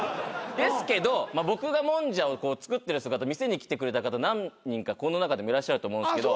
ですけど僕がもんじゃを作ってる姿店に来てくれた方何人かこの中でもいらっしゃると思うんすけど。